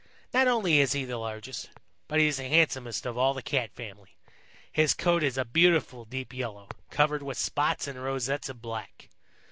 Not only is he the largest, but he is the handsomest of all the Cat family. His coat is a beautiful deep yellow, covered with spots and rosettes of black.